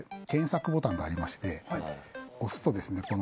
検索ボタンがありまして押すとですね